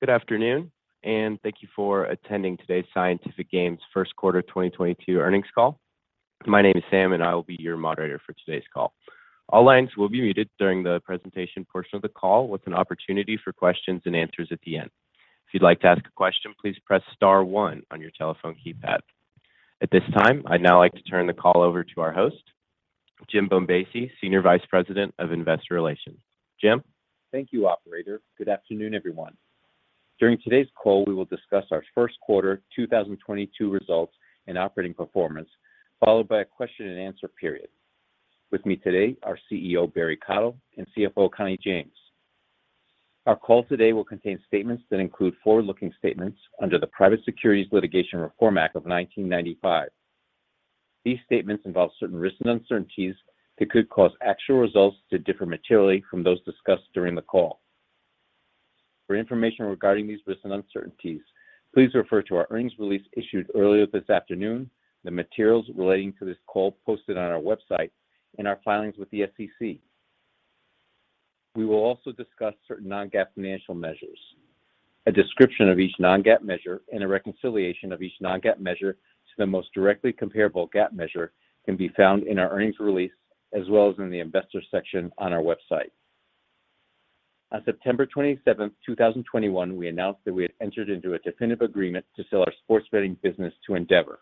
Good afternoon, and thank you for attending today's Light & Wonder first quarter 2022 earnings call. My name is Sam, and I will be your moderator for today's call. All lines will be muted during the presentation portion of the call with an opportunity for questions and answers at the end. If you'd like to ask a question, please press star one on your telephone keypad. At this time, I'd now like to turn the call over to our host, Jim Bombassei, Senior Vice President of Investor Relations. Jim? Thank you, operator. Good afternoon, everyone. During today's call, we will discuss our first quarter 2022 results and operating performance, followed by a question and answer period. With me today are CEO Barry Cottle and CFO Connie James. Our call today will contain statements that include forward-looking statements under the Private Securities Litigation Reform Act of 1995. These statements involve certain risks and uncertainties that could cause actual results to differ materially from those discussed during the call. For information regarding these risks and uncertainties, please refer to our earnings release issued earlier this afternoon, the materials relating to this call posted on our website, and our filings with the SEC. We will also discuss certain non-GAAP financial measures. A description of each non-GAAP measure and a reconciliation of each non-GAAP measure to the most directly comparable GAAP measure can be found in our earnings release as well as in the investor section on our website. On September 27th, 2021, we announced that we had entered into a definitive agreement to sell our sports betting business to Endeavor.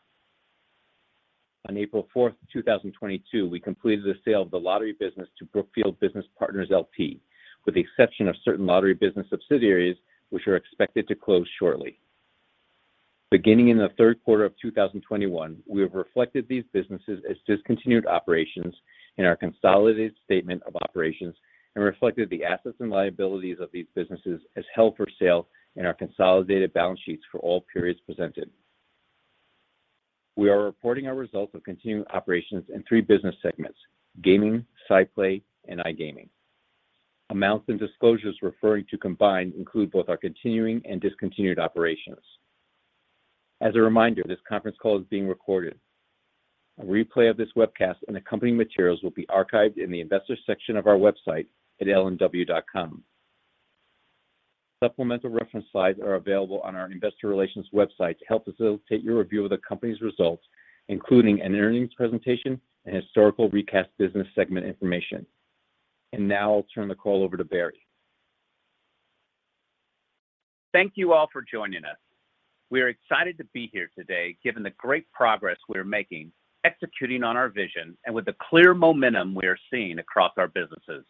On April 4th, 2022, we completed the sale of the lottery business to Brookfield Business Partners L.P., with the exception of certain lottery business subsidiaries which are expected to close shortly. Beginning in the third quarter of 2021, we have reflected these businesses as discontinued operations in our consolidated statement of operations and reflected the assets and liabilities of these businesses as held for sale in our consolidated balance sheets for all periods presented. We are reporting our results of continuing operations in three business segments: Gaming, SciPlay, and iGaming. Amounts and disclosures referring to combined include both our continuing and discontinued operations. As a reminder, this conference call is being recorded. A replay of this webcast and accompanying materials will be archived in the investor section of our website at lnw.com. Supplemental reference slides are available on our investor relations website to help facilitate your review of the company's results, including an earnings presentation and historical recast business segment information. Now I'll turn the call over to Barry. Thank you all for joining us. We are excited to be here today given the great progress we're making executing on our vision and with the clear momentum we are seeing across our businesses.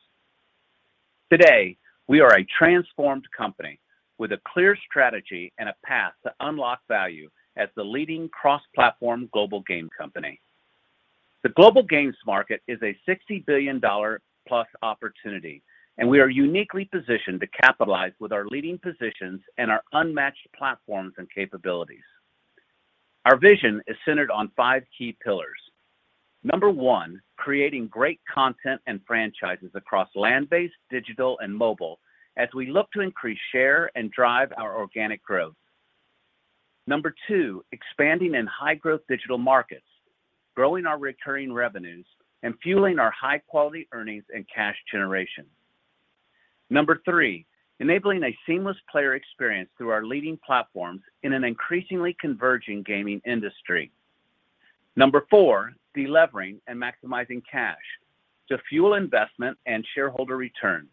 Today, we are a transformed company with a clear strategy and a path to unlock value as the leading cross-platform global game company. The global games market is a $60 billion+ opportunity, and we are uniquely positioned to capitalize with our leading positions and our unmatched platforms and capabilities. Our vision is centered on five key pillars. Number one, creating great content and franchises across land-based, digital, and mobile as we look to increase share and drive our organic growth. Number two, expanding in high-growth digital markets, growing our recurring revenues, and fueling our high-quality earnings and cash generation. Number three, enabling a seamless player experience through our leading platforms in an increasingly converging gaming industry. Number four, delevering and maximizing cash to fuel investment and shareholder returns.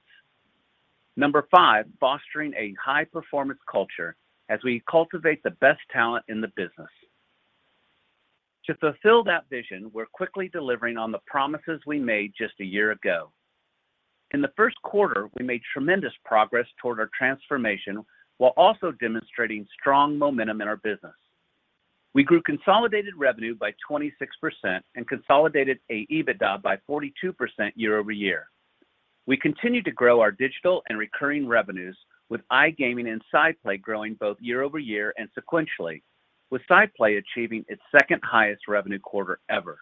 Number five, fostering a high-performance culture as we cultivate the best talent in the business. To fulfill that vision, we're quickly delivering on the promises we made just a year ago. In the first quarter, we made tremendous progress toward our transformation while also demonstrating strong momentum in our business. We grew consolidated revenue by 26% and consolidated AEBITDA by 42% year-over-year. We continued to grow our digital and recurring revenues with iGaming and SciPlay growing both year-over-year and sequentially, with SciPlay achieving its second highest revenue quarter ever.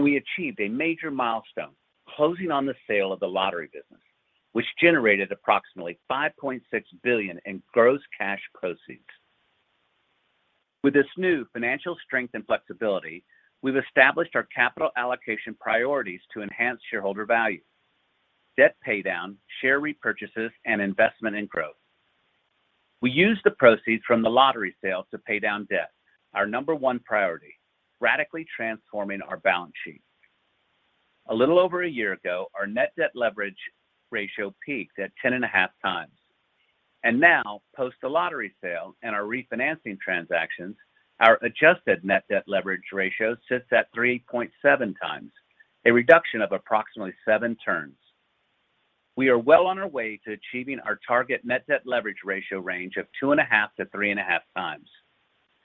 We achieved a major milestone, closing on the sale of the lottery business which generated approximately $5.6 billion in gross cash proceeds. With this new financial strength and flexibility, we've established our capital allocation priorities to enhance shareholder value, debt paydown, share repurchases, and investment in growth. We used the proceeds from the lottery sale to pay down debt, our number one priority, radically transforming our balance sheet. A little over a year ago, our net debt leverage ratio peaked at 10.5x. Now, post the lottery sale and our refinancing transactions, our adjusted net debt leverage ratio sits at 3.7x, a reduction of approximately seven turns. We are well on our way to achieving our target net debt leverage ratio range of 2.5x-3.5x.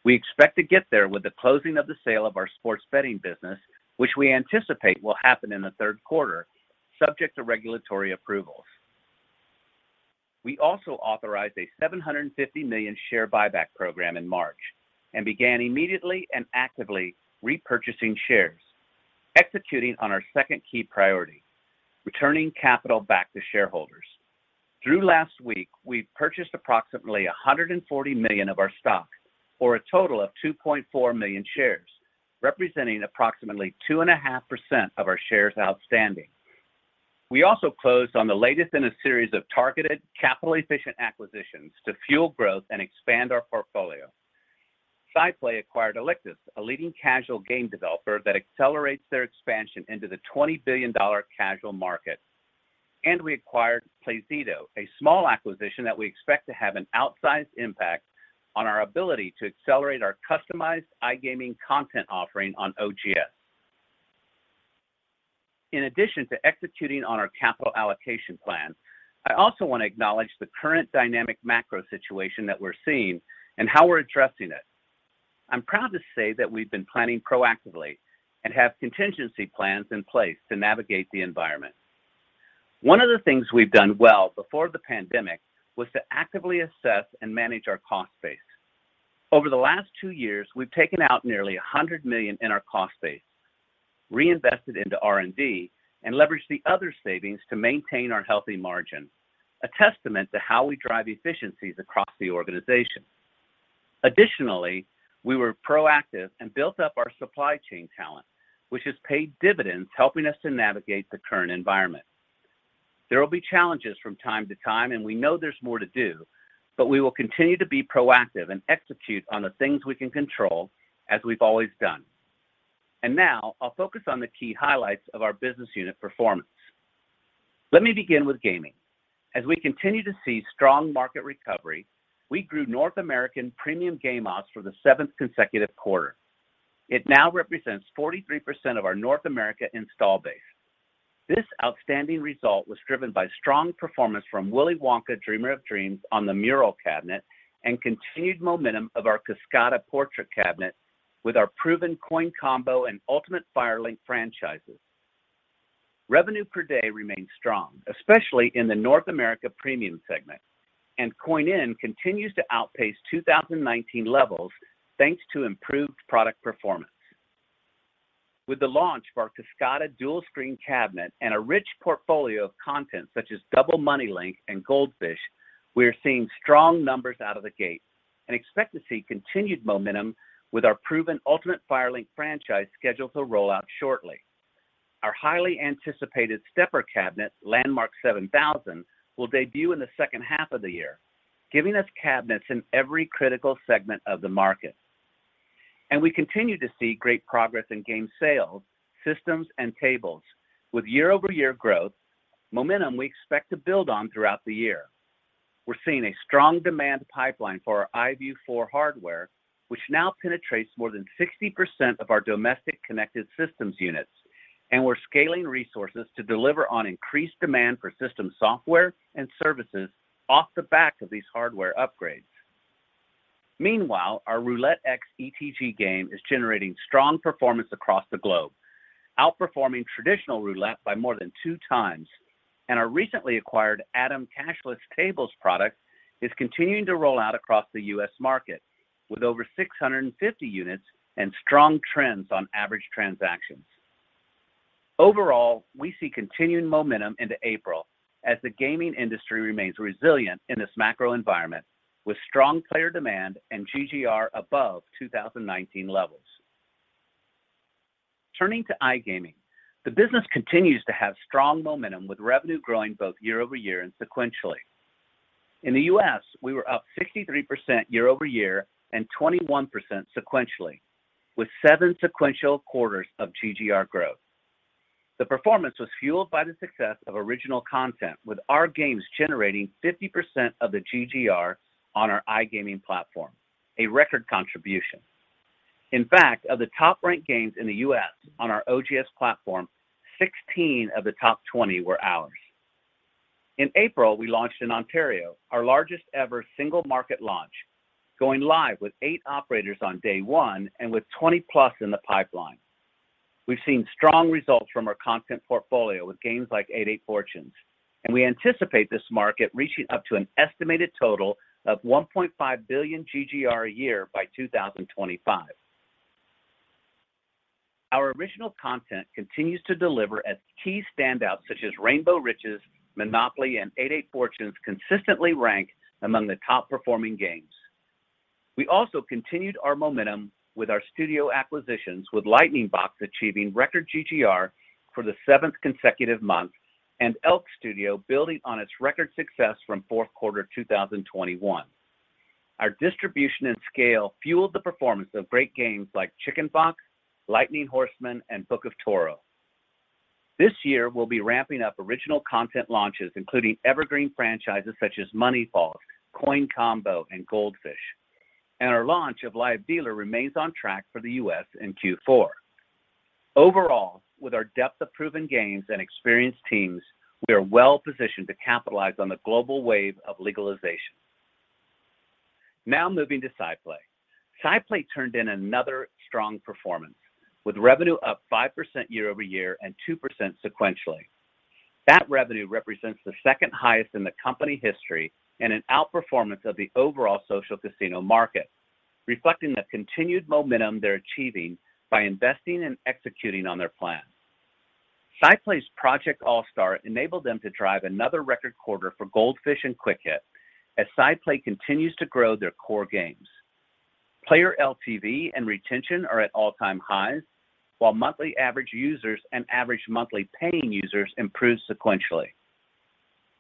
We expect to get there with the closing of the sale of our sports betting business which we anticipate will happen in the third quarter, subject to regulatory approvals. We authorized a $750 million share buyback program in March and began immediately and actively repurchasing shares, executing on our second key priority, returning capital back to shareholders. Through last week, we've purchased approximately $140 million of our stock for a total of 2.4 million shares, representing approximately 2.5% of our shares outstanding. We closed on the latest in a series of targeted capital-efficient acquisitions to fuel growth and expand our portfolio. SciPlay acquired Alictus, a leading casual game developer that accelerates their expansion into the $20 billion casual market. We acquired Playzido, a small acquisition that we expect to have an outsized impact on our ability to accelerate our customized iGaming content offering on OGS. In addition to executing on our capital allocation plan, I also want to acknowledge the current dynamic macro situation that we're seeing and how we're addressing it. I'm proud to say that we've been planning proactively and have contingency plans in place to navigate the environment. One of the things we've done well before the pandemic was to actively assess and manage our cost base. Over the last two years, we've taken out nearly $100 million in our cost base, reinvested into R&D, and leveraged the other savings to maintain our healthy margin, a testament to how we drive efficiencies across the organization. Additionally, we were proactive and built up our supply chain talent, which has paid dividends helping us to navigate the current environment. There will be challenges from time to time, and we know there's more to do, but we will continue to be proactive and execute on the things we can control as we've always done. Now I'll focus on the key highlights of our business unit performance. Let me begin with gaming. As we continue to see strong market recovery, we grew North American premium game ops for the seventh consecutive quarter. It now represents 43% of our North America install base. This outstanding result was driven by strong performance from Willy Wonka Dreamers of Dreams on the Mural cabinet and continued momentum of our Kascada Portrait cabinet with our proven Coin Combo and Ultimate Fire Link franchises. Revenue per day remains strong, especially in the North America premium segment, and coin in continues to outpace 2019 levels thanks to improved product performance. With the launch of our Kascada Dual Screen cabinet and a rich portfolio of content such as Double Money Link and Goldfish, we are seeing strong numbers out of the gate and expect to see continued momentum with our proven Ultimate Fire Link franchise scheduled to roll out shortly. Our highly anticipated stepper cabinet, Landmark 7000, will debut in the second half of the year, giving us cabinets in every critical segment of the market. We continue to see great progress in game sales, systems, and tables with year-over-year growth, momentum we expect to build on throughout the year. We're seeing a strong demand pipeline for our iVIEW 4 hardware, which now penetrates more than 60% of our domestic connected systems units. We're scaling resources to deliver on increased demand for system software and services off the back of these hardware upgrades. Meanwhile, our ROULETTEX ETG game is generating strong performance across the globe, outperforming traditional roulette by more than two times. Our recently acquired AToM cashless tables product is continuing to roll out across the U.S. market with over 650 units and strong trends on average transactions. Overall, we see continued momentum into April as the gaming industry remains resilient in this macro environment with strong player demand and GGR above 2019 levels. Turning to iGaming, the business continues to have strong momentum with revenue growing both year-over-year and sequentially. In the U.S., we were up 63% year-over-year and 21% sequentially, with seven sequential quarters of GGR growth. The performance was fueled by the success of original content, with our games generating 50% of the GGR on our iGaming platform, a record contribution. In fact, of the top-ranked games in the US on our OGS platform, 16 of the top 20 were ours. In April, we launched in Ontario, our largest-ever single-market launch, going live with eight operators on day one and with 20+ in the pipeline. We've seen strong results from our content portfolio with games like 88 Fortunes, and we anticipate this market reaching up to an estimated total of $1.5 billion GGR a year by 2025. Our original content continues to deliver as key standouts such as Rainbow Riches, Monopoly, and 88 Fortunes consistently rank among the top-performing games. We also continued our momentum with our studio acquisitions, with Lightning Box achieving record GGR for the seventh consecutive month and ELK Studios building on its record success from fourth quarter 2021. Our distribution and scale fueled the performance of great games like Chicken Fox, Lightning Horseman, and Book of Toro. This year, we'll be ramping up original content launches, including evergreen franchises such as Cash Falls, Coin Combo, and Goldfish. Our launch of Live Dealer remains on track for the U.S. in Q4. Overall, with our depth of proven games and experienced teams, we are well-positioned to capitalize on the global wave of legalization. Now moving to SciPlay. SciPlay turned in another strong performance, with revenue up 5% year-over-year and 2% sequentially. That revenue represents the second highest in the company history and an outperformance of the overall social casino market, reflecting the continued momentum they're achieving by investing and executing on their plan. SciPlay's Project All-Star enabled them to drive another record quarter for Goldfish and Quick Hit, as SciPlay continues to grow their core games. Player LTV and retention are at all-time highs, while monthly active users and average monthly paying users improved sequentially.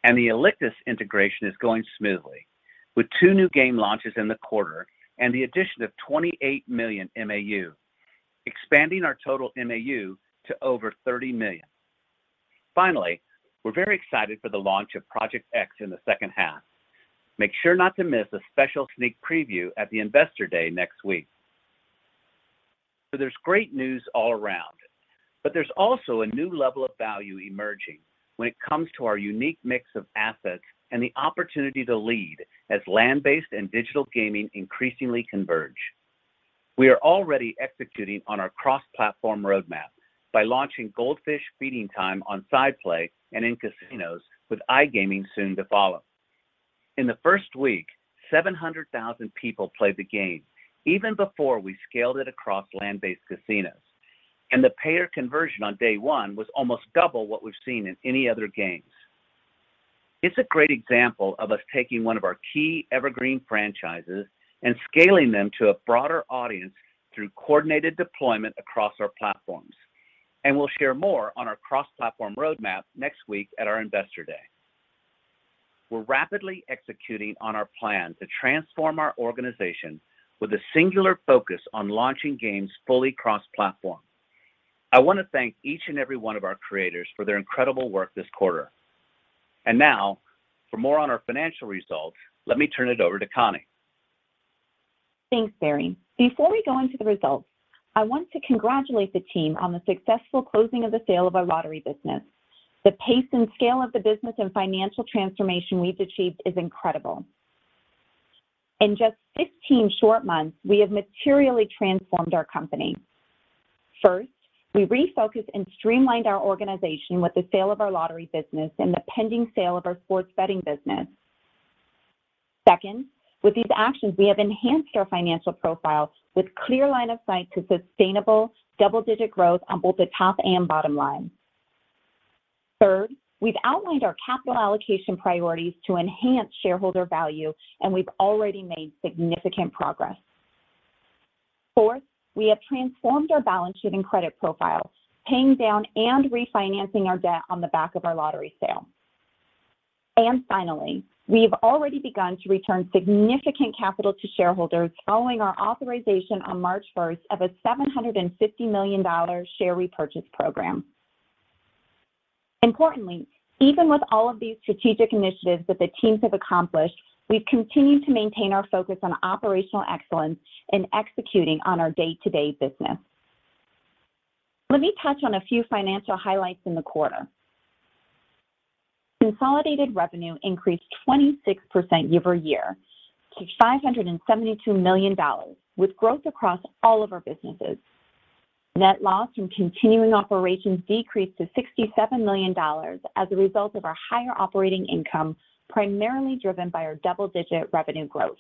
The Alictus integration is going smoothly with 2 new game launches in the quarter and the addition of 28 million MAU, expanding our total MAU to over 30 million. Finally, we're very excited for the launch of Project X in the second half. Make sure not to miss a special sneak preview at the Investor Day next week. There's great news all around, but there's also a new level of value emerging when it comes to our unique mix of assets and the opportunity to lead as land-based and digital gaming increasingly converge. We are already executing on our cross-platform roadmap by launching Goldfish Feeding Time on SciPlay and in casinos, with iGaming soon to follow. In the first week, 700,000 people played the game even before we scaled it across land-based casinos. The payer conversion on day one was almost double what we've seen in any other games. It's a great example of us taking one of our key evergreen franchises and scaling them to a broader audience through coordinated deployment across our platforms. We'll share more on our cross-platform roadmap next week at our Investor Day. We're rapidly executing on our plan to transform our organization with a singular focus on launching games fully cross-platform. I want to thank each and every one of our creators for their incredible work this quarter. Now, for more on our financial results, let me turn it over to Connie. Thanks, Barry. Before we go into the results, I want to congratulate the team on the successful closing of the sale of our lottery business. The pace and scale of the business and financial transformation we've achieved is incredible. In just 16 short months, we have materially transformed our company. First, we refocused and streamlined our organization with the sale of our lottery business and the pending sale of our sports betting business. Second, with these actions, we have enhanced our financial profile with clear line of sight to sustainable double-digit growth on both the top and bottom line. Third, we've outlined our capital allocation priorities to enhance shareholder value, and we've already made significant progress. Fourth, we have transformed our balance sheet and credit profile, paying down and refinancing our debt on the back of our lottery sale. Finally, we've already begun to return significant capital to shareholders following our authorization on March 1 of a $750 million share repurchase program. Importantly, even with all of these strategic initiatives that the teams have accomplished, we've continued to maintain our focus on operational excellence in executing on our day-to-day business. Let me touch on a few financial highlights in the quarter. Consolidated revenue increased 26% year-over-year to $572 million, with growth across all of our businesses. Net loss from continuing operations decreased to $67 million as a result of our higher operating income, primarily driven by our double-digit revenue growth.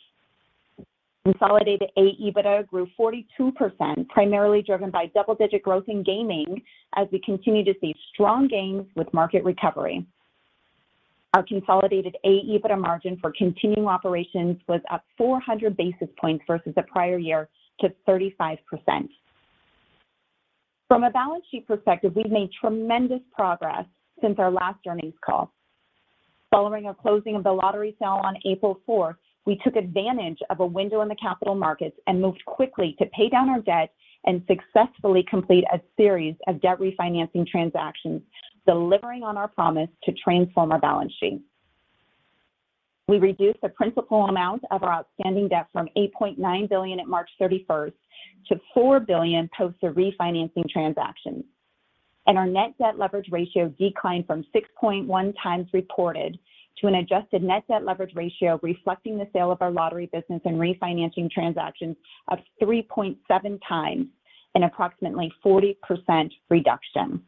Consolidated AEBITDA grew 42%, primarily driven by double-digit growth in gaming as we continue to see strong gains with market recovery. Our consolidated AEBITDA margin for continuing operations was up 400 basis points versus the prior year to 35%. From a balance sheet perspective, we've made tremendous progress since our last earnings call. Following our closing of the lottery sale on April fourth, we took advantage of a window in the capital markets and moved quickly to pay down our debt and successfully complete a series of debt refinancing transactions, delivering on our promise to transform our balance sheet. We reduced the principal amount of our outstanding debt from $8.9 billion at March 31 to $4 billion post the refinancing transactions. Our net debt leverage ratio declined from 6.1x reported to an adjusted net debt leverage ratio reflecting the sale of our lottery business and refinancing transactions of 3.7x, an approximately 40% reduction.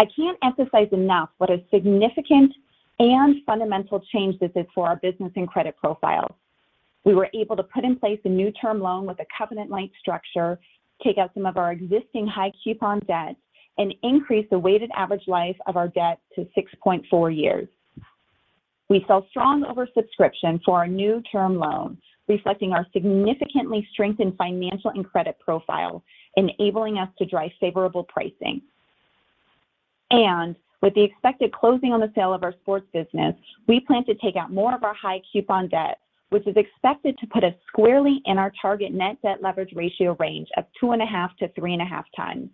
I can't emphasize enough what a significant and fundamental change this is for our business and credit profile. We were able to put in place a new term loan with a covenant-light structure, take out some of our existing high-coupon debt, and increase the weighted average life of our debt to 6.4 years. We saw strong oversubscription for our new term loan, reflecting our significantly strengthened financial and credit profile, enabling us to drive favorable pricing. With the expected closing on the sale of our sports business, we plan to take out more of our high-coupon debt, which is expected to put us squarely in our target net debt leverage ratio range of 2.5x-3.5x.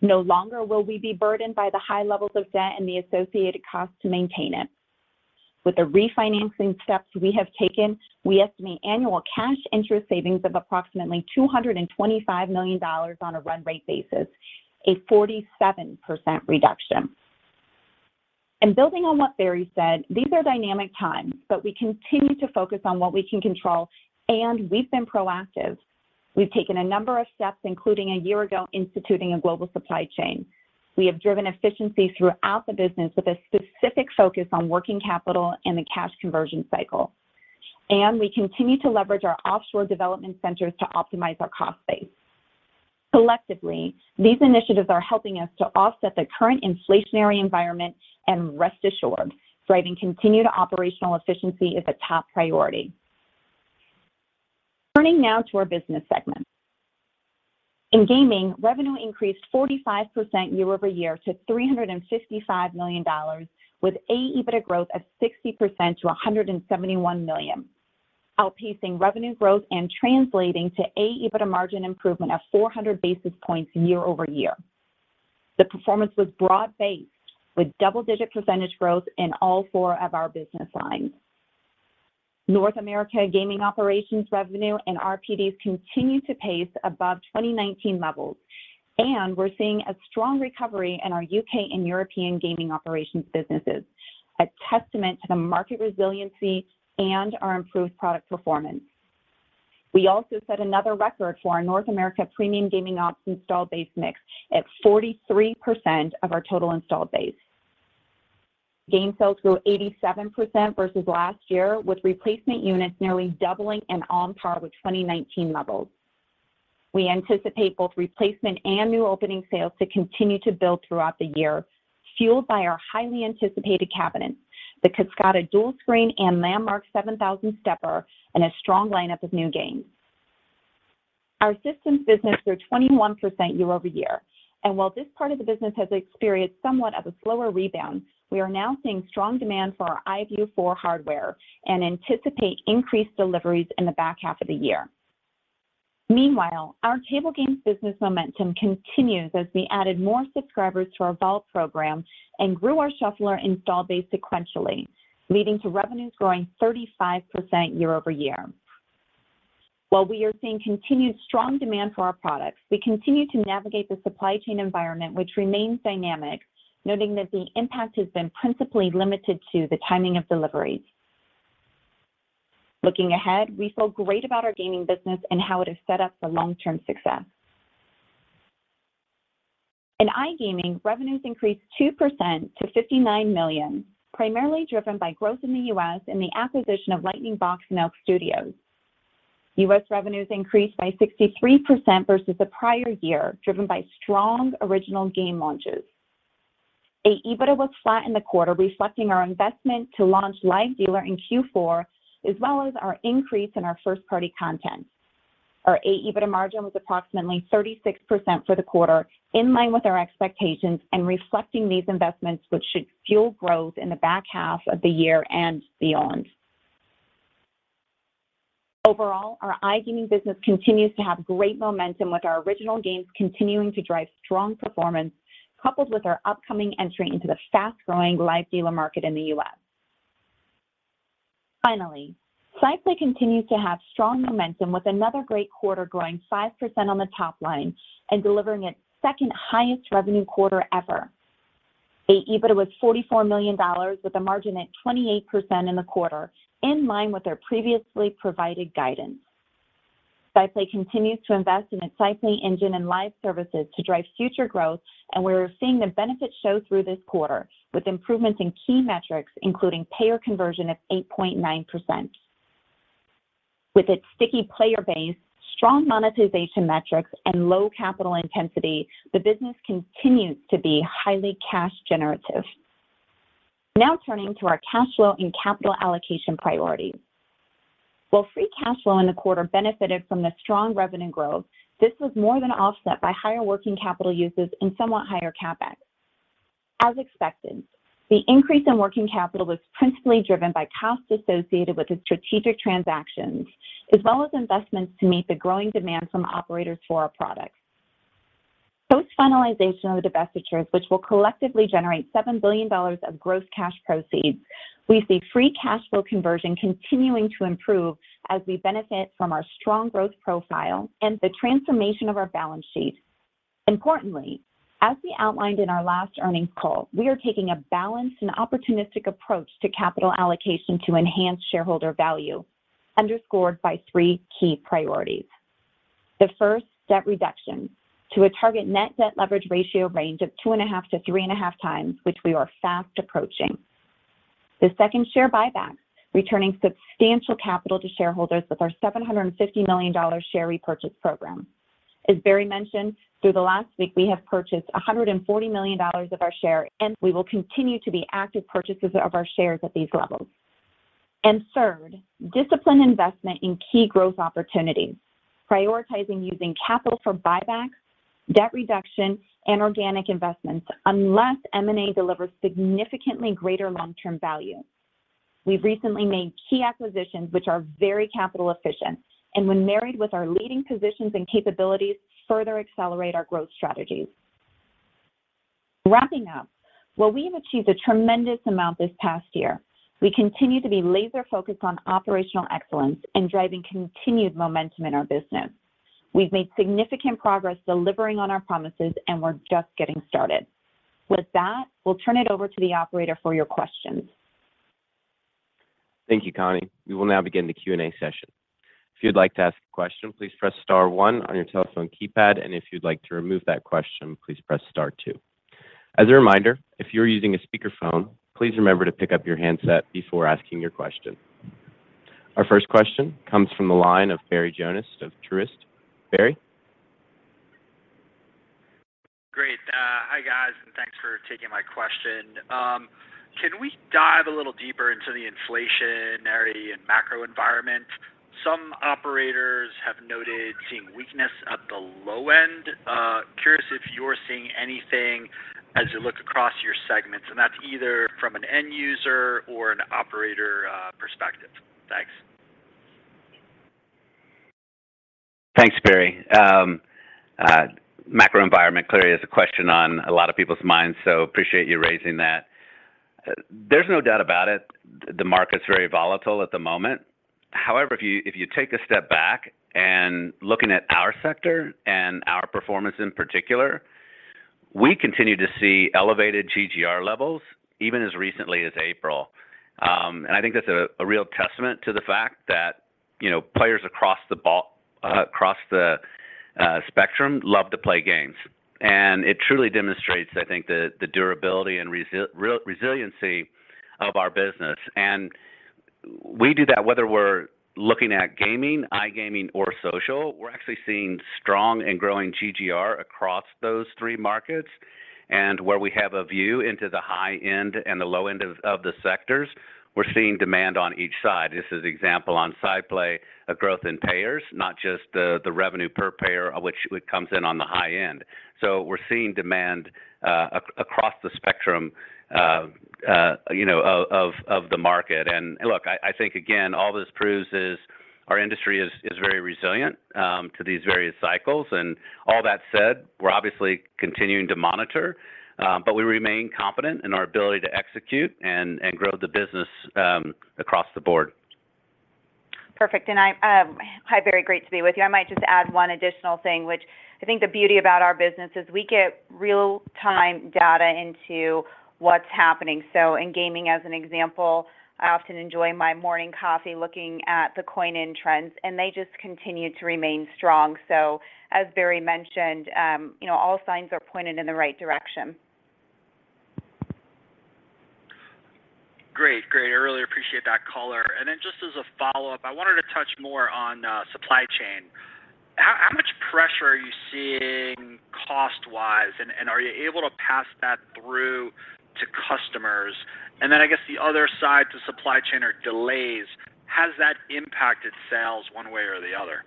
No longer will we be burdened by the high levels of debt and the associated cost to maintain it. With the refinancing steps we have taken, we estimate annual cash interest savings of approximately $225 million on a run rate basis, a 47% reduction. Building on what Barry said, these are dynamic times, but we continue to focus on what we can control, and we've been proactive. We've taken a number of steps, including a year ago instituting a global supply chain. We have driven efficiency throughout the business with a specific focus on working capital and the cash conversion cycle. We continue to leverage our offshore development centers to optimize our cost base. Collectively, these initiatives are helping us to offset the current inflationary environment, and rest assured, driving continued operational efficiency is a top priority. Turning now to our business segments. In gaming, revenue increased 45% year-over-year to $355 million with AEBITDA growth of 60% to $171 million, outpacing revenue growth and translating to AEBITDA margin improvement of 400 basis points year-over-year. The performance was broad-based with double-digit percentage growth in all four of our business lines. North America gaming operations revenue and RPDs continue to pace above 2019 levels, and we're seeing a strong recovery in our U.K. and European gaming operations businesses, a testament to the market resiliency and our improved product performance. We also set another record for our North America premium gaming ops installed base mix at 43% of our total installed base. Game sales grew 87% versus last year, with replacement units nearly doubling and on par with 2019 levels. We anticipate both replacement and new opening sales to continue to build throughout the year, fueled by our highly anticipated cabinets, the Kascada Dual Screen and Landmark 7000 Stepper, and a strong lineup of new games. Our systems business grew 21% year-over-year, and while this part of the business has experienced somewhat of a slower rebound, we are now seeing strong demand for our iVIEW 4 hardware and anticipate increased deliveries in the back half of the year. Meanwhile, our table games business momentum continues as we added more subscribers to our Vault program and grew our shuffler installed base sequentially, leading to revenues growing 35% year-over-year. While we are seeing continued strong demand for our products, we continue to navigate the supply chain environment, which remains dynamic, noting that the impact has been principally limited to the timing of deliveries. Looking ahead, we feel great about our gaming business and how it is set up for long-term success. In iGaming, revenues increased 2% to $59 million, primarily driven by growth in the U.S. and the acquisition of Lightning Box and ELK Studios. U.S. revenues increased by 63% versus the prior year, driven by strong original game launches. AEBITDA was flat in the quarter, reflecting our investment to launch Live Dealer in Q4, as well as our increase in our first-party content. Our AEBITDA margin was approximately 36% for the quarter, in line with our expectations and reflecting these investments, which should fuel growth in the back half of the year and beyond. Overall, our iGaming business continues to have great momentum with our original games continuing to drive strong performance, coupled with our upcoming entry into the fast-growing live dealer market in the U.S. Finally, SciPlay continues to have strong momentum with another great quarter growing 5% on the top line and delivering its second-highest revenue quarter ever. AEBITDA was $44 million with a margin at 28% in the quarter, in line with our previously provided guidance. SciPlay continues to invest in its SciPlay engine and live services to drive future growth, and we're seeing the benefits show through this quarter with improvements in key metrics, including payer conversion of 8.9%. With its sticky player base, strong monetization metrics, and low capital intensity, the business continues to be highly cash generative. Now turning to our cash flow and capital allocation priorities. While free cash flow in the quarter benefited from the strong revenue growth, this was more than offset by higher working capital uses and somewhat higher CapEx. As expected, the increase in working capital was principally driven by costs associated with the strategic transactions, as well as investments to meet the growing demand from operators for our products. Post finalization of the divestitures, which will collectively generate $7 billion of gross cash proceeds, we see free cash flow conversion continuing to improve as we benefit from our strong growth profile and the transformation of our balance sheet. Importantly, as we outlined in our last earnings call, we are taking a balanced and opportunistic approach to capital allocation to enhance shareholder value, underscored by three key priorities. The first, debt reduction to a target net debt leverage ratio range of 2.5x-3.5x, which we are fast approaching. The second, share buybacks, returning substantial capital to shareholders with our $750 million share repurchase program. As Barry mentioned, through the last week, we have purchased $140 million of our share, and we will continue to be active purchasers of our shares at these levels. Third, disciplined investment in key growth opportunities, prioritizing using capital for buybacks, debt reduction, and organic investments, unless M&A delivers significantly greater long-term value. We've recently made key acquisitions which are very capital efficient, and when married with our leading positions and capabilities, further accelerate our growth strategies. Wrapping up, while we have achieved a tremendous amount this past year, we continue to be laser-focused on operational excellence and driving continued momentum in our business. We've made significant progress delivering on our promises, and we're just getting started. With that, we'll turn it over to the operator for your questions. Thank you, Connie. We will now begin the Q&A session. If you'd like to ask a question, please press star one on your telephone keypad, and if you'd like to remove that question, please press star two. As a reminder, if you're using a speakerphone, please remember to pick up your handset before asking your question. Our first question comes from the line of Barry Jonas of Truist. Barry? Great. Hi guys, and thanks for taking my question. Can we dive a little deeper into the inflationary and macro environment? Some operators have noted seeing weakness at the low end. Curious if you're seeing anything as you look across your segments, and that's either from an end user or an operator perspective. Thanks. Thanks, Barry. Macro environment clearly is a question on a lot of people's minds, so appreciate you raising that. There's no doubt about it, the market's very volatile at the moment. However, if you take a step back and looking at our sector and our performance in particular, we continue to see elevated GGR levels even as recently as April. I think that's a real testament to the fact that, you know, players across the spectrum love to play games. It truly demonstrates, I think, the durability and resiliency of our business. We do that whether we're looking at gaming, iGaming, or social. We're actually seeing strong and growing GGR across those three markets. Where we have a view into the high end and the low end of the sectors, we're seeing demand on each side. This is example on SciPlay of growth in payers, not just the revenue per payer of which it comes in on the high end. We're seeing demand across the spectrum, you know, of the market. Look, I think again, all this proves is our industry is very resilient to these various cycles. All that said, we're obviously continuing to monitor, but we remain confident in our ability to execute and grow the business across the board. Perfect. Hi, Barry. Great to be with you. I might just add one additional thing, which I think the beauty about our business is we get real-time data into what's happening. In gaming, as an example, I often enjoy my morning coffee looking at the coin-in trends, and they just continue to remain strong. As Barry mentioned, you know, all signs are pointed in the right direction. Great. I really appreciate that color. Then just as a follow-up, I wanted to touch more on supply chain. How much pressure are you seeing cost-wise, and are you able to pass that through to customers? Then I guess the other side to supply chain are delays. Has that impacted sales one way or the other?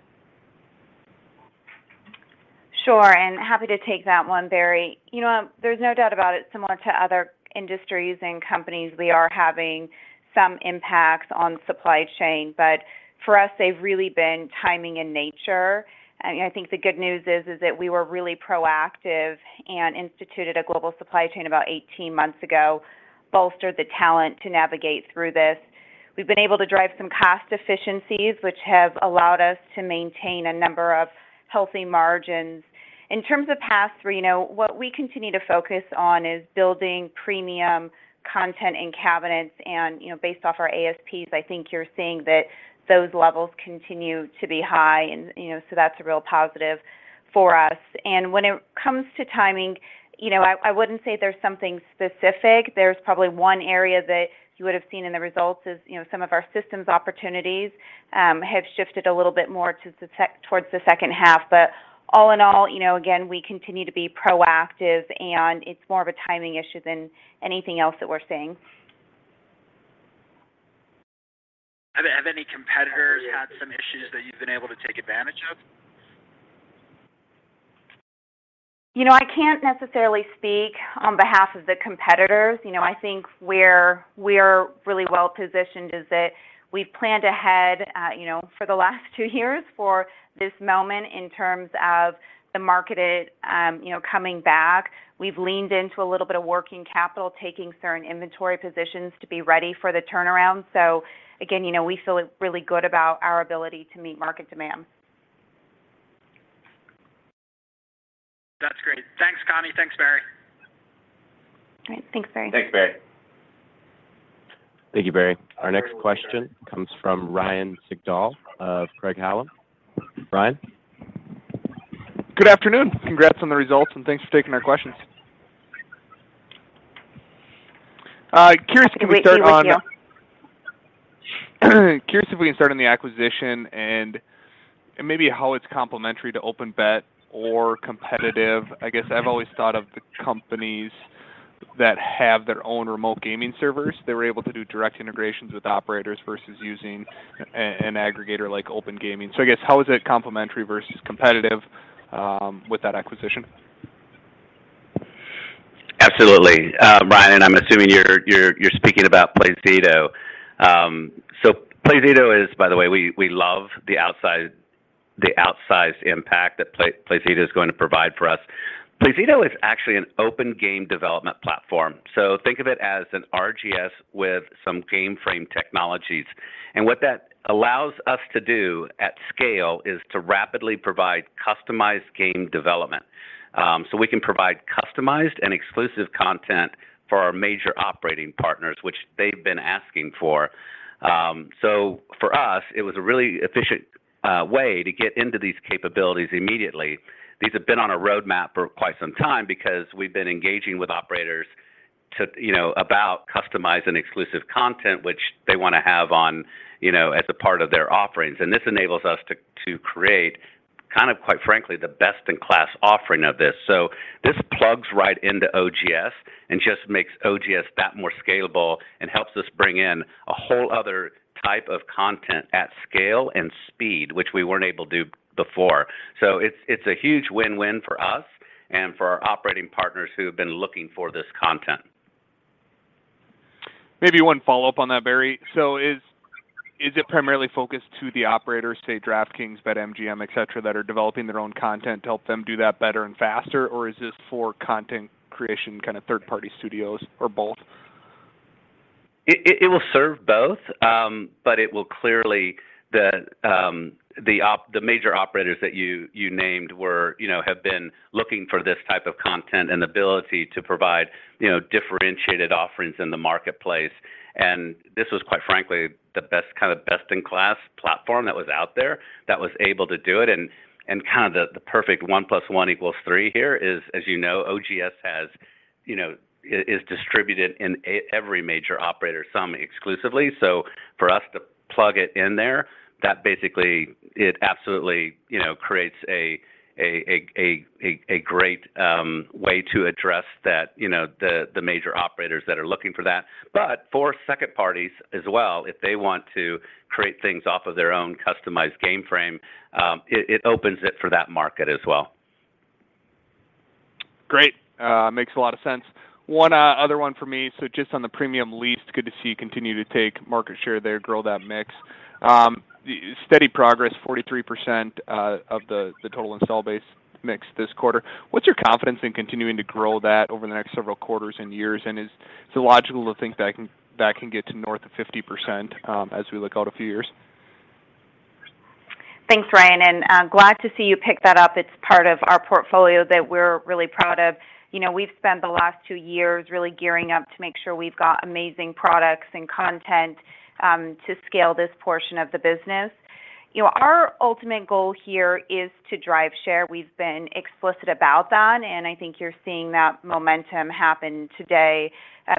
Sure, happy to take that one, Barry. You know, there's no doubt about it, similar to other industries and companies, we are having some impacts on supply chain, but for us, they've really been timing in nature. I think the good news is that we were really proactive and instituted a global supply chain about 18 months ago, bolstered the talent to navigate through this. We've been able to drive some cost efficiencies, which have allowed us to maintain a number of healthy margins. In terms of pass through, you know, what we continue to focus on is building premium content and cabinets and, you know, based off our ASPs, I think you're seeing that those levels continue to be high and, you know, so that's a real positive for us. When it comes to timing, you know, I wouldn't say there's something specific. There's probably one area that you would've seen in the results is, you know, some of our systems opportunities have shifted a little bit more towards the second half. All in all, you know, again, we continue to be proactive, and it's more of a timing issue than anything else that we're seeing. Have any competitors had some issues that you've been able to take advantage of? You know, I can't necessarily speak on behalf of the competitors. You know, I think where we're really well-positioned is that we've planned ahead, you know, for the last two years for this moment in terms of the market, you know, coming back. We've leaned into a little bit of working capital, taking certain inventory positions to be ready for the turnaround. Again, you know, we feel really good about our ability to meet market demand. That's great. Thanks, Connie. Thanks, Barry. All right. Thanks, Barry. Thanks, Barry. Thank you, Barry. Our next question comes from Ryan Sigdahl of Craig-Hallum. Ryan? Good afternoon. Congrats on the results, and thanks for taking our questions. Curious, can we start on- Happy to be with you. Curious if we can start on the acquisition and maybe how it's complementary to OpenBet or competitive? I guess I've always thought of the companies that have their own remote gaming servers, they were able to do direct integrations with operators versus using an aggregator like OpenGaming. I guess how is it complementary versus competitive with that acquisition? Absolutely. Ryan, I'm assuming you're speaking about Playzido. Playzido is. By the way, we love the outsized impact that Playzido is going to provide for us. Playzido is actually an open game development platform. Think of it as an RGS with some game frame technologies. What that allows us to do at scale is to rapidly provide customized game development. We can provide customized and exclusive content for our major operating partners, which they've been asking for. For us, it was a really efficient way to get into these capabilities immediately. These have been on a roadmap for quite some time because we've been engaging with operators to, you know, about customized and exclusive content which they wanna have on, you know, as a part of their offerings. This enables us to to create kind of, quite frankly, the best-in-class offering of this. This plugs right into OGS and just makes OGS that more scalable and helps us bring in a whole other type of content at scale and speed, which we weren't able to do before. It's a huge win-win for us and for our operating partners who have been looking for this content. Maybe one follow-up on that, Barry. Is it primarily focused to the operators, say DraftKings, BetMGM, et cetera, that are developing their own content to help them do that better and faster? Or is this for content creation, kind of third-party studios or both? It will serve both, but it will clearly the major operators that you named were, you know, have been looking for this type of content and ability to provide, you know, differentiated offerings in the marketplace. This was quite frankly the best kind of best-in-class platform that was out there that was able to do it and kind of the perfect one plus one equals three here is, as you know, OGS is distributed in every major operator, some exclusively. For us to plug it in there, that basically it absolutely, you know, creates a great way to address that, you know, the major operators that are looking for that. for second parties as well, if they want to create things off of their own customized game frame, it opens it for that market as well. Great. Makes a lot of sense. One other one for me. Just on the premium lease, good to see you continue to take market share there, grow that mix. Steady progress, 43% of the total installed base mix this quarter. What's your confidence in continuing to grow that over the next several quarters and years? Is it logical to think that can get to north of 50%, as we look out a few years? Thanks, Ryan, and glad to see you pick that up. It's part of our portfolio that we're really proud of. You know, we've spent the last two years really gearing up to make sure we've got amazing products and content to scale this portion of the business. You know, our ultimate goal here is to drive share. We've been explicit about that, and I think you're seeing that momentum happen today.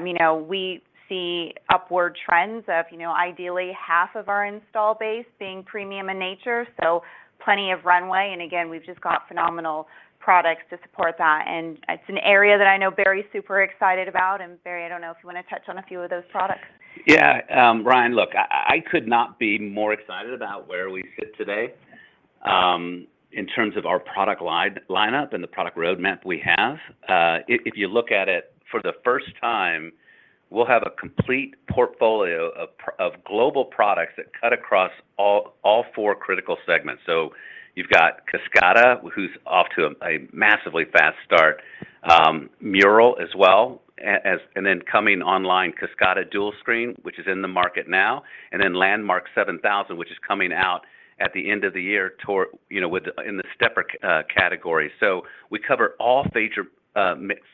You know, we see upward trends of, you know, ideally half of our install base being premium in nature, so plenty of runway. Again, we've just got phenomenal products to support that. It's an area that I know Barry's super excited about. Barry, I don't know if you wanna touch on a few of those products. Yeah, Ryan, look, I could not be more excited about where we sit today, in terms of our product lineup and the product roadmap we have. If you look at it for the first time, we'll have a complete portfolio of global products that cut across all four critical segments. You've got Kascada, who's off to a massively fast start, Mural as well as and then coming online, Kascada Dual Screen, which is in the market now, and then Landmark 7000, which is coming out at the end of the year toward, you know, with the in the stepper category. We cover all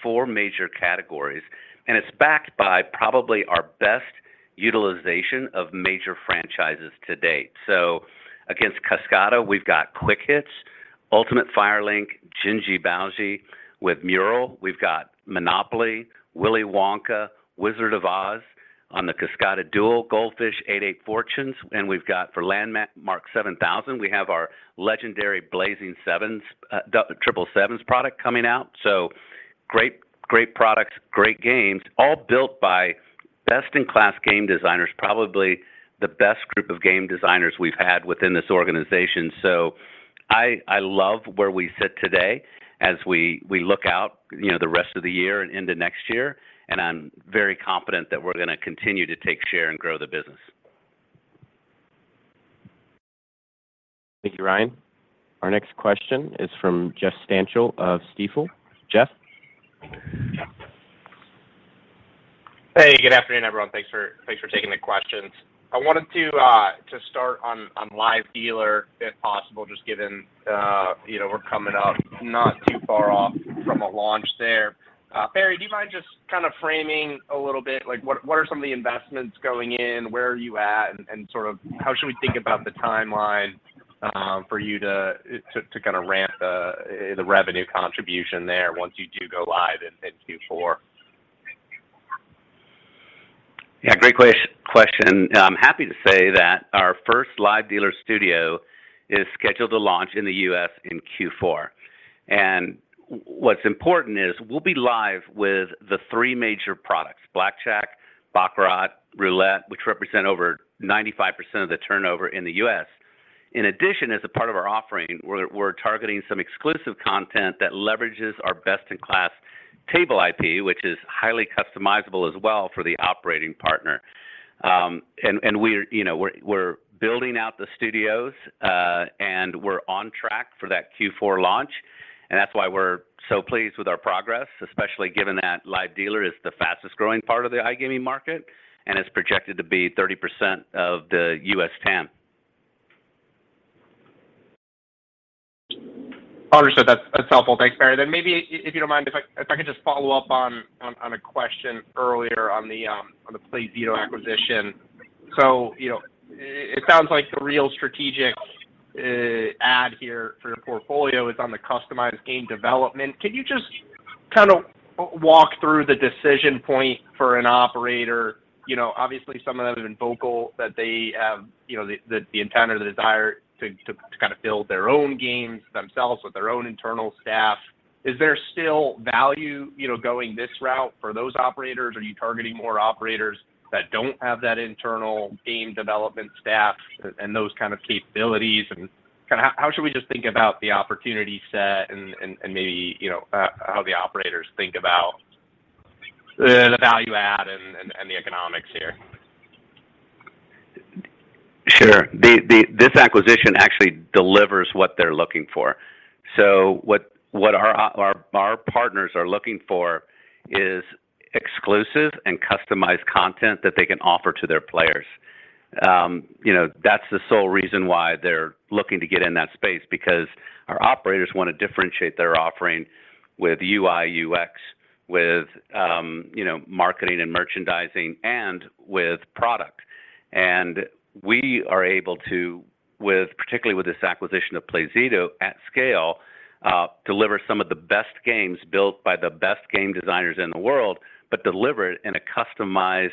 four major categories, and it's backed by probably our best utilization of major franchises to date. Against Kascada, we've got Quick Hits, Ultimate Fire Link, Jin Ji Bao Xi. With Mural, we've got Monopoly, Willy Wonka, Wizard of Oz. On the Kascada Dual Screen, Goldfish, 88 Fortunes, and we've got for Landmark 7000, we have our legendary Blazing 7s, Triple Blazing 7s product coming out. Great products, great games, all built by best-in-class game designers, probably the best group of game designers we've had within this organization. I love where we sit today as we look out, you know, the rest of the year and into next year, and I'm very confident that we're gonna continue to take share and grow the business. Thank you, Ryan. Our next question is from Jeff Stantial of Stifel. Jeff? Hey, good afternoon, everyone. Thanks for taking the questions. I wanted to start on Live Dealer, if possible, just given, you know, we're coming up not too far off from a launch there. Barry, do you mind just kind of framing a little bit, like what are some of the investments going in? Where are you at, and sort of how should we think about the timeline for you to kind of ramp the revenue contribution there once you do go live in Q4? Yeah. Great question. I'm happy to say that our first Live Dealer studio is scheduled to launch in the U.S. in Q4. What's important is we'll be live with the three major products, blackjack, baccarat, roulette, which represent over 95% of the turnover in the U.S. In addition, as a part of our offering, we're targeting some exclusive content that leverages our best-in-class table IP, which is highly customizable as well for the operating partner. You know, we're building out the studios, and we're on track for that Q4 launch, and that's why we're so pleased with our progress, especially given that Live Dealer is the fastest growing part of the iGaming market and is projected to be 30% of the U.S. TAM. Understood. That's helpful. Thanks, Barry. Maybe if you don't mind, if I could just follow up on a question earlier on the Playzido acquisition. You know. It sounds like the real strategic add here for your portfolio is on the customized game development. Can you just kind of walk through the decision point for an operator? You know, obviously, some of them have been vocal that they have, you know, the intent or the desire to kind of build their own games themselves with their own internal staff. Is there still value, you know, going this route for those operators? Are you targeting more operators that don't have that internal game development staff and those kind of capabilities? How should we just think about the opportunity set and maybe, you know, how the operators think about the value add and the economics here? Sure. This acquisition actually delivers what they're looking for. What our partners are looking for is exclusive and customized content that they can offer to their players. You know, that's the sole reason why they're looking to get in that space, because our operators wanna differentiate their offering with UI, UX, with, you know, marketing and merchandising, and with product. We are able to, particularly with this acquisition of Playzido at scale, deliver some of the best games built by the best game designers in the world, but deliver it in a customized,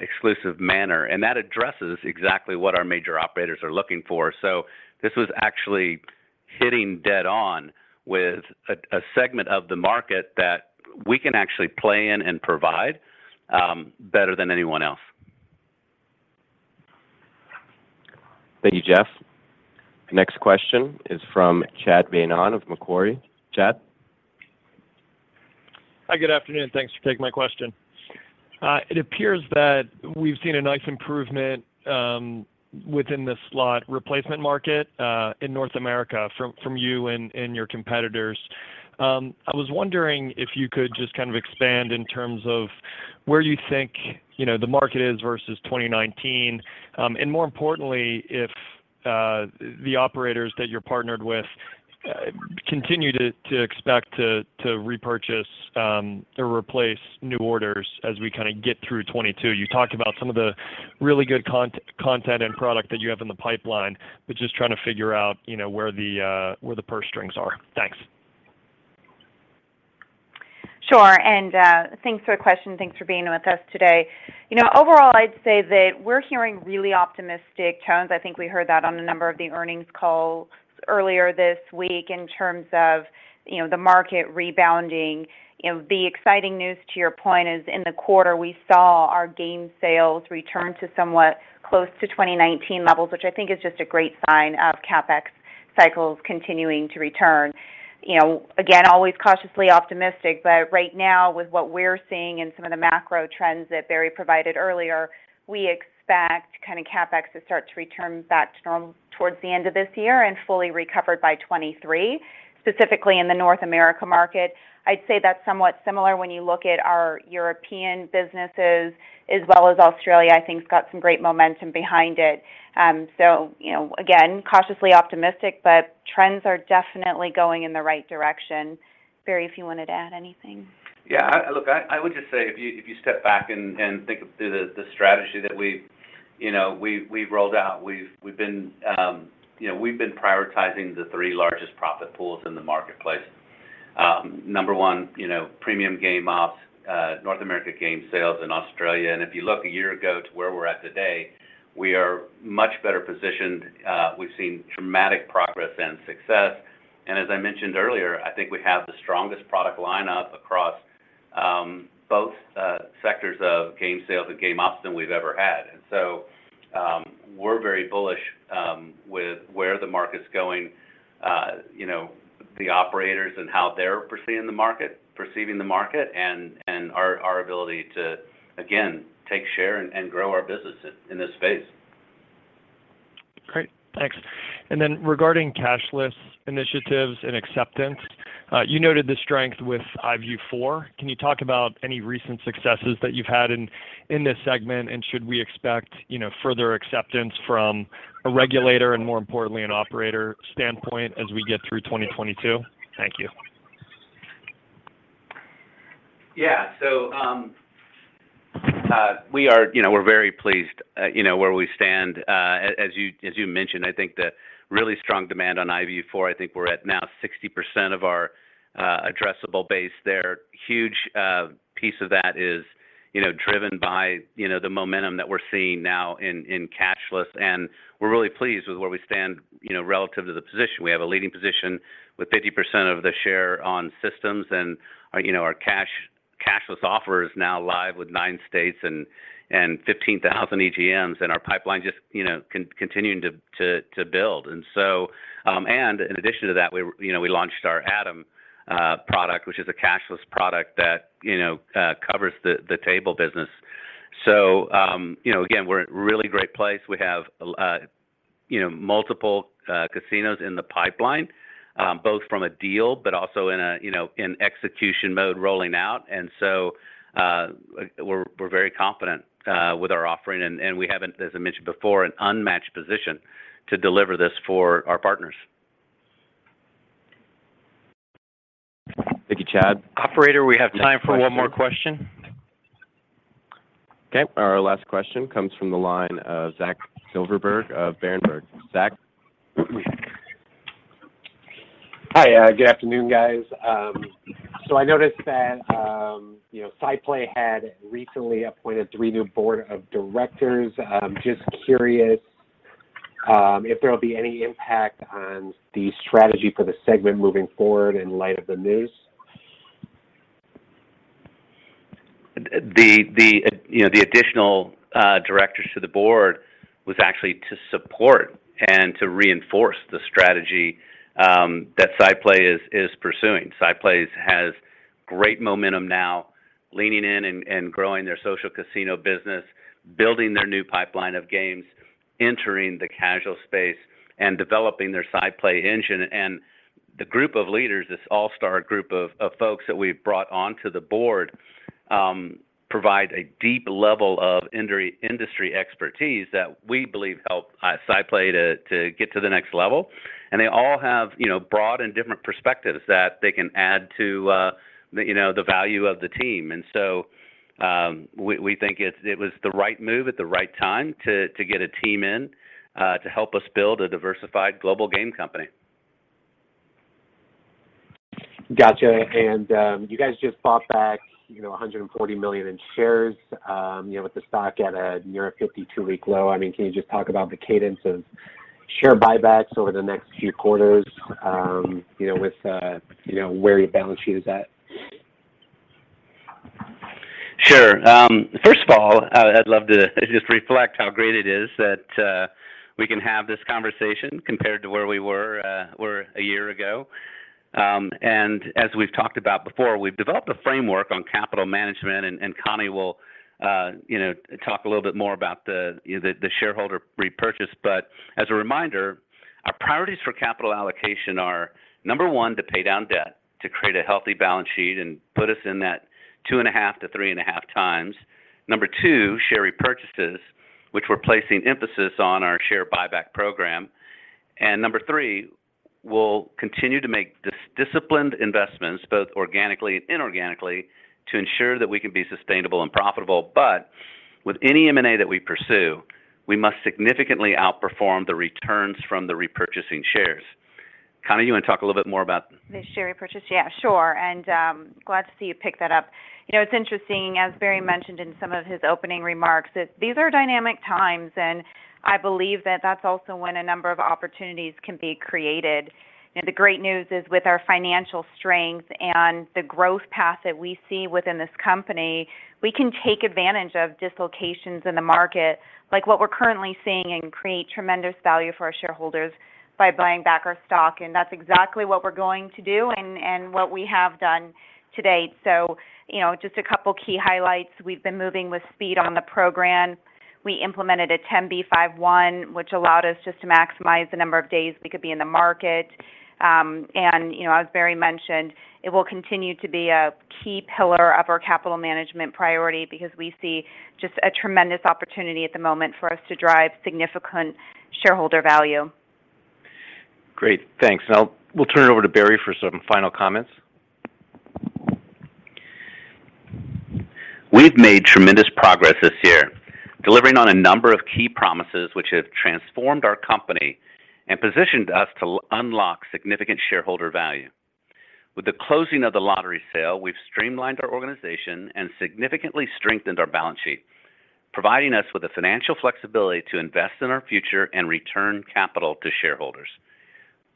exclusive manner. That addresses exactly what our major operators are looking for. This was actually hitting dead on with a segment of the market that we can actually play in and provide better than anyone else. Thank you, Jeff. The next question is from Chad Beynon of Macquarie. Chad? Hi, good afternoon, thanks for taking my question. It appears that we've seen a nice improvement within the slot replacement market in North America from you and your competitors. I was wondering if you could just kind of expand in terms of where you think, you know, the market is versus 2019, and more importantly, if the operators that you're partnered with continue to expect to repurchase or replace new orders as we kinda get through 2022. You talked about some of the really good content and product that you have in the pipeline, but just trying to figure out, you know, where the purse strings are. Thanks. Sure, thanks for the question, thanks for being with us today. You know, overall, I'd say that we're hearing really optimistic tones. I think we heard that on a number of the earnings calls earlier this week in terms of, you know, the market rebounding. You know, the exciting news to your point is in the quarter, we saw our game sales return to somewhat close to 2019 levels, which I think is just a great sign of CapEx cycles continuing to return. You know, again, always cautiously optimistic, but right now with what we're seeing and some of the macro trends that Barry provided earlier, we expect kind of CapEx to start to return back to normal towards the end of this year and fully recovered by 2023, specifically in the North America market. I'd say that's somewhat similar when you look at our European businesses as well as Australia. I think it's got some great momentum behind it. You know, again, cautiously optimistic, but trends are definitely going in the right direction. Barry, if you wanted to add anything. Yeah. Look, I would just say if you step back and think of the strategy that we've rolled out. You know, we've been prioritizing the three largest profit pools in the marketplace. Number one, you know, premium game ops, North America game sales, and Australia. If you look a year ago to where we're at today, we are much better positioned. We've seen dramatic progress and success. As I mentioned earlier, I think we have the strongest product lineup across both sectors of game sales and game ops than we've ever had. We're very bullish with where the market's going, you know, the operators and how they're perceiving the market and our ability to, again, take share and grow our business in this space. Great. Thanks. Then regarding cashless initiatives and acceptance, you noted the strength with iVIEW4. Can you talk about any recent successes that you've had in this segment? And should we expect, you know, further acceptance from a regulator and more importantly, an operator standpoint as we get through 2022? Thank you. Yeah. We are, you know, we're very pleased, you know, where we stand. As you mentioned, I think the really strong demand on iVIEW4, I think we're at now 60% of our addressable base there. Huge piece of that is, you know, driven by, you know, the momentum that we're seeing now in cashless, and we're really pleased with where we stand, you know, relative to the position. We have a leading position with 50% of the share on systems and, you know, our cashless offer is now live with 9 states and 15,000 EGMs, and our pipeline just, you know, continuing to build. In addition to that, we, you know, we launched our AToM product, which is a cashless product that, you know, covers the table business. You know, again, we're at really great place. We have, you know, multiple casinos in the pipeline, both from a deal but also in a, you know, in execution mode rolling out. You know, we're very confident with our offering, and we have an, as I mentioned before, an unmatched position to deliver this for our partners. Thank you, Chad. Operator, we have time for one more question. Okay, our last question comes from the line of Zachary Silverberg of Berenberg. Zach? Hi. Good afternoon, guys. I noticed that, you know, SciPlay had recently appointed three new board of directors. Just curious, if there will be any impact on the strategy for the segment moving forward in light of the news. You know, the additional directors to the board was actually to support and to reinforce the strategy that SciPlay is pursuing. SciPlay has great momentum now leaning in and growing their social casino business, building their new pipeline of games, entering the casual space and developing their SciPlay engine. The group of leaders, this all-star group of folks that we've brought onto the board provide a deep level of industry expertise that we believe help SciPlay to get to the next level. They all have you know, broad and different perspectives that they can add to the value of the team. We think it was the right move at the right time to get a team in to help us build a diversified global game company. Gotcha. You guys just bought back, you know, $140 million in shares, you know, with the stock at near a 52-week low. I mean, can you just talk about the cadence of share buybacks over the next few quarters, you know, with, you know, where your balance sheet is at? Sure. First of all, I'd love to just reflect how great it is that we can have this conversation compared to where we were a year ago. As we've talked about before, we've developed a framework on capital management, and Connie will, you know, talk a little bit more about the, you know, the shareholder repurchase. As a reminder, our priorities for capital allocation are, number one, to pay down debt, to create a healthy balance sheet and put us in that 2.5x-3.5x. Number two, share repurchases, which we're placing emphasis on our share buyback program. Number three, we'll continue to make disciplined investments, both organically and inorganically, to ensure that we can be sustainable and profitable. With any M&A that we pursue, we must significantly outperform the returns from the repurchasing shares. Connie, you want to talk a little bit more about- The share repurchase? Yeah, sure. Glad to see you pick that up. You know, it's interesting, as Barry mentioned in some of his opening remarks, that these are dynamic times, and I believe that that's also when a number of opportunities can be created. You know, the great news is with our financial strength and the growth path that we see within this company, we can take advantage of dislocations in the market like what we're currently seeing and create tremendous value for our shareholders by buying back our stock. That's exactly what we're going to do and what we have done to date. You know, just a couple key highlights. We've been moving with speed on the program. We implemented a 10b5-1, which allowed us just to maximize the number of days we could be in the market. you know, as Barry mentioned, it will continue to be a key pillar of our capital management priority because we see just a tremendous opportunity at the moment for us to drive significant shareholder value. Great. Thanks. We'll turn it over to Barry for some final comments. We've made tremendous progress this year, delivering on a number of key promises which have transformed our company and positioned us to unlock significant shareholder value. With the closing of the lottery sale, we've streamlined our organization and significantly strengthened our balance sheet, providing us with the financial flexibility to invest in our future and return capital to shareholders.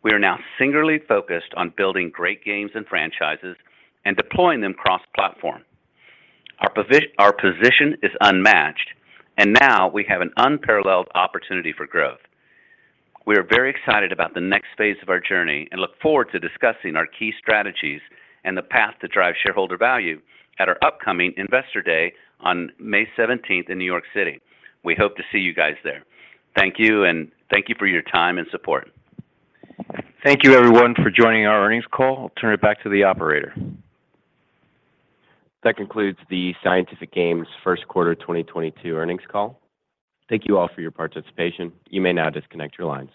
We are now singularly focused on building great games and franchises and deploying them cross-platform. Our position is unmatched, and now we have an unparalleled opportunity for growth. We are very excited about the next phase of our journey and look forward to discussing our key strategies and the path to drive shareholder value at our upcoming Investor Day on May seventeenth in New York City. We hope to see you guys there. Thank you, and thank you for your time and support. Thank you, everyone, for joining our earnings call. I'll turn it back to the operator. That concludes the Light & Wonder First Quarter 2022 earnings call. Thank you all for your participation. You may now disconnect your lines.